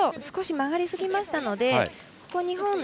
少し曲がりすぎましたのでここ、日本